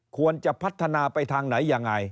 ควรจะพัฒนาไปทางไหนยังไง